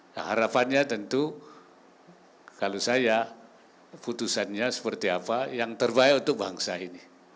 nah harapannya tentu kalau saya putusannya seperti apa yang terbaik untuk bangsa ini